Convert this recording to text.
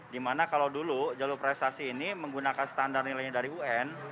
dimana kalau dulu jalur prestasi ini menggunakan standar nilainya dari un